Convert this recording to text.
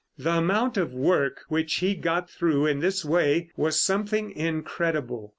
The amount of work which he got through in this way was something incredible.